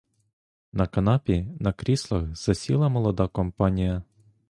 На канапі, на кріслах засіла молода компанія.